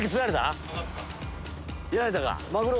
やられたか。